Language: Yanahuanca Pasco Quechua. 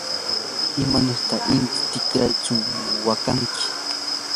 ¿imanirtaq inti tikraychaw waqanki?